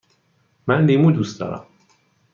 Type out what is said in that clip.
من لیمو دوست دارم.